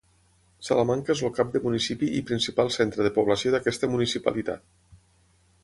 Salamanca és el cap de municipi i principal centre de població d'aquesta municipalitat.